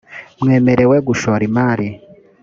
mwemerew gushora imari .